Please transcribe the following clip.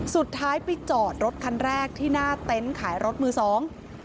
สุดท้ายไปจอดรถคันแรกที่หน้าเต็นต์ขายรถมือสอง